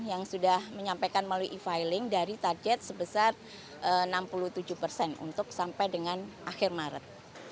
yang sudah menyampaikan melalui e filing dari target sebesar enam puluh tujuh persen untuk sampai dengan akhir maret